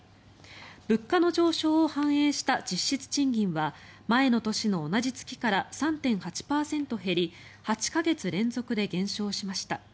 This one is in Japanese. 物価の上昇を反映した実質賃金は前の年の同じ月から３．８％減り８か月連続で減少しました。